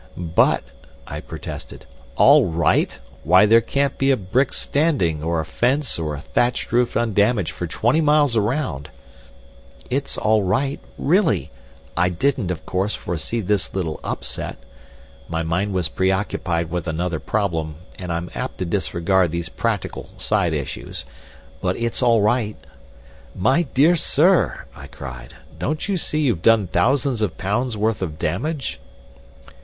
"But," I protested. "All right! Why, there can't be a rick standing, or a fence or a thatched roof undamaged for twenty miles round...." "It's all right—really. I didn't, of course, foresee this little upset. My mind was preoccupied with another problem, and I'm apt to disregard these practical side issues. But it's all right—" "My dear sir," I cried, "don't you see you've done thousands of pounds' worth of damage?"